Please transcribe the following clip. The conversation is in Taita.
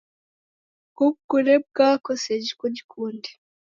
Kumkunde mka wako sejhi kujikunde.